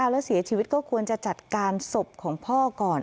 แล้วเสียชีวิตก็ควรจะจัดการศพของพ่อก่อน